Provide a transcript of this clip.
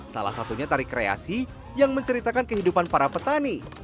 salah satunya tari kreasi yang menceritakan kehidupan para petani